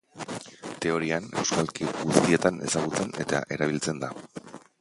Teorian, euskalki guztietan ezagutzen eta erabiltzen da.